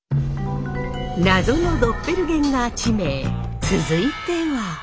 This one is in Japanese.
謎のドッペルゲンガー地名続いては？